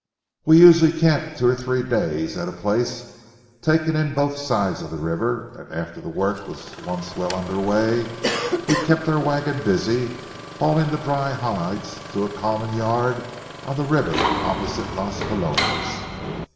We usually camped two or three days at a place, taking in both sides of the river, and after the work was once well under way we kept our wagon busy hauling the dry hides to a common yard on the river opposite Las Palomas.